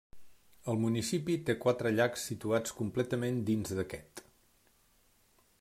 El municipi té quatre llacs situats completament dins d'aquest.